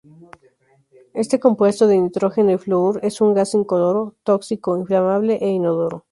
Este compuesto de nitrógeno y flúor es un gas incoloro, tóxico, inflamable e inodoro.